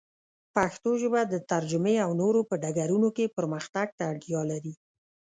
پښتو ژبه د ترجمې او نورو په ډګرونو کې پرمختګ ته اړتیا لري.